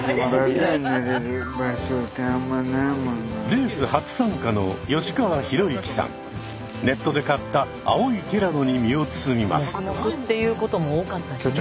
レース初参加のネットで買った青いティラノに身を包みます。